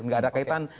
nggak ada kaitan